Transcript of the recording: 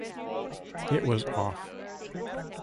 It was off.